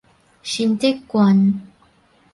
新竹縣